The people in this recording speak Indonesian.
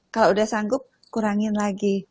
kalau udah sanggup kurangin lagi